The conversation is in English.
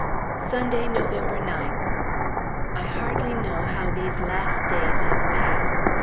Sunday, November 9th. I hardly know how these last days have passed.